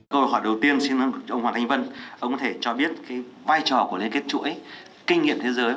câu hỏi đầu tiên xin mời ông hoàng thanh vân ông có thể cho biết vai trò của liên kết chuỗi kinh nghiệm thế giới